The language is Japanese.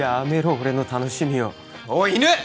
俺の楽しみをおい犬！